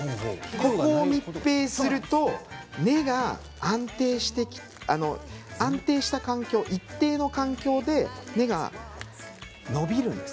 ここを密閉すると根が安定した環境、一定の環境で根が伸びるんです。